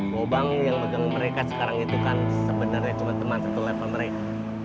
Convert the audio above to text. mobil yang megang mereka sekarang itu kan sebenarnya cuma teman satu level mereka